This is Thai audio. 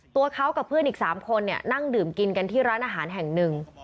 ตัวเขากับเพื่อนอีก๓คนนั่งดื่มกินกันที่ร้านอาหารแห่งหนึ่ง